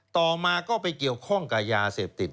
ต่อมาก็ไปเกี่ยวข้องกับยาเสพติด